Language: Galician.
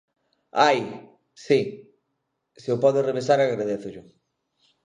¡Ai!, si, se o pode revisar, agradézollo.